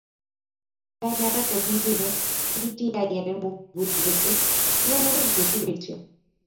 তাই মেলার প্রথম দিনে ই টিআইএনের বুথগুলোতে তুলনামূলক বেশি ভিড় ছিল।